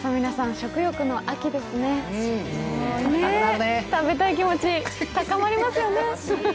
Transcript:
食べたい気持ち高まりますよね。